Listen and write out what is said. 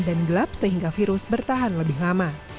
gelap sehingga virus bertahan lebih lama